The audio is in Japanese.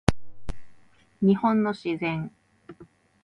日本の自然